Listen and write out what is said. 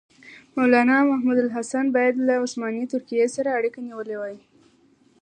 مولنا محمودالحسن باید له عثماني ترکیې سره اړیکه نیولې وای.